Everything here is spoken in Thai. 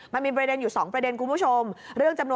มันมีประเด็นอยู่๒ประเด็นคุณผู้ชม